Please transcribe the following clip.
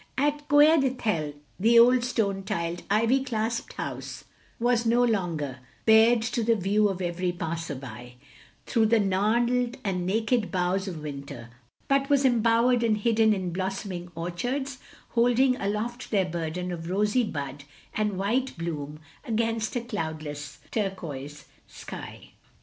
At Coed Ithel, the old stone tiled, ivy clasped house was no longer bared to the view of every passer by, through the gnarled and naked boughs of winter; but was embowered and hidden in blossoming orchards holding aloft their burden of rosy bud and white bloom against a cloud less turquoise sky.